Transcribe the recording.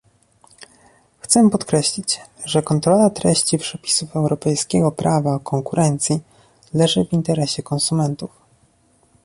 Chcę podkreślić, że kontrola treści przepisów europejskiego prawa o konkurencji leży w interesie konsumentów